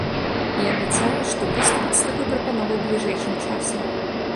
І абяцае, што выступіць з такой прапановай бліжэйшым часам.